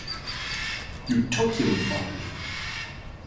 You took him from me!